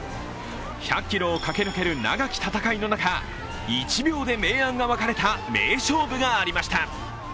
１００ｋｍを駆け抜ける長き戦いの中１秒で明暗が分かれた名勝負がありました。